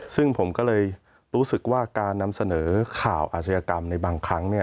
ซึ่งผมก็เลยรู้สึกว่าการนำเสนอข่าวอาชญากรรมในบางครั้ง